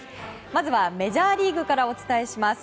まずはメジャーリーグからお伝えします。